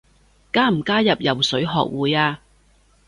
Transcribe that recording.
加唔加入游水學會啊？